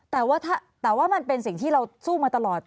แต่ว่าถ้าแต่ว่ามันเป็นสิ่งที่เราสู้มาตลอด